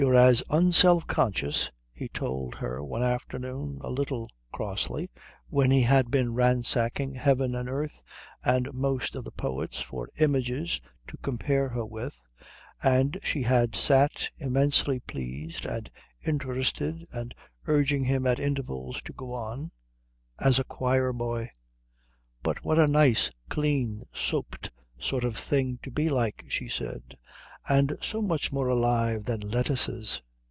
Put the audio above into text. "] "You're as unselfconscious," he told her one afternoon a little crossly, when he had been ransacking heaven and earth and most of the poets for images to compare her with, and she had sat immensely pleased and interested and urging him at intervals to go on, "as a choir boy." "But what a nice, clean, soaped sort of thing to be like!" she said. "And so much more alive than lettuces."